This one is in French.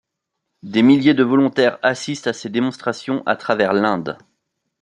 Des milliers de volontaires assistent à ces démonstrations à travers l'Inde.